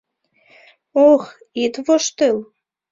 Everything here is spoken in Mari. — Ох, ит воштыл!